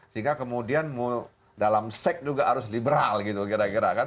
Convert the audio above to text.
sehingga kemudian dalam seks juga harus liberal gitu kira kira kan